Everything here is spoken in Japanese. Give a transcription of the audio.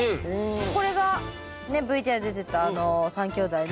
これがねＶＴＲ出てた３兄弟の。